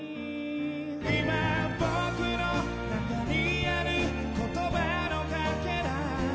「今僕の中にある言葉のカケラ」